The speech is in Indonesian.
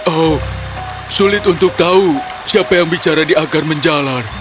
oh sulit untuk tahu siapa yang bicara di agar menjalar